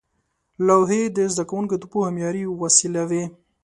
لوحې د زده کوونکو د پوهې معیاري وسیله وې.